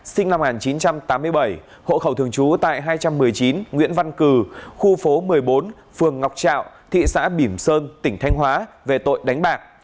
sinh năm một nghìn chín trăm tám mươi bảy hộ khẩu thường trú tại hai trăm một mươi chín nguyễn văn cử khu phố một mươi bốn phường ngọc trạo thị xã bỉm sơn tỉnh thanh hóa về tội đánh bạc